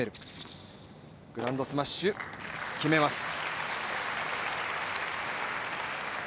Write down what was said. グランドスマッシュ、決めます。